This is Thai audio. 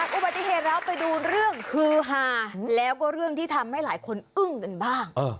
อุบัติเหตุเราไปดูเรื่องฮือฮาแล้วก็เรื่องที่ทำให้หลายคนอึ้งกันบ้าง